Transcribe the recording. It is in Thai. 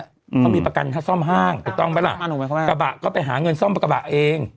เขามีประกันค่าซ่อมห้างถูกต้องไหมล่ะกระบะก็ไปหาเงินซ่อมกระบะเอง